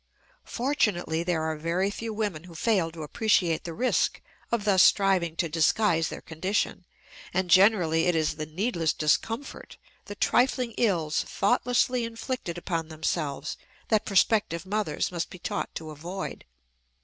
Fortunately there are very few women who fail to appreciate the risk of thus striving to disguise their condition; and generally it is the needless discomfort, the trifling ills thoughtlessly inflicted upon themselves, that prospective mothers must be taught to avoid.